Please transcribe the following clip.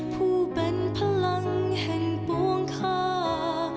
ผู้เป็นพลังแห่งปวงค่า